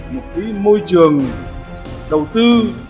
một môi trường đầu tư